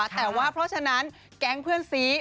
แต่ว่าเพราะฉะนั้นแก๊งเพื่อนซี